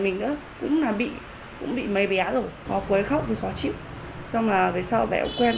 mình nữa cũng là bị cũng bị mấy bé rồi có quấy khóc khó chịu xong là về sau bé cũng quen